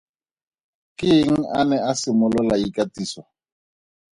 Ke eng a ne a simolola ikatiso?